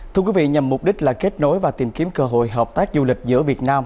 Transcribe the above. thưa quý vị nhằm mục đích là kết nối và tìm kiếm cơ hội hợp tác du lịch giữa việt nam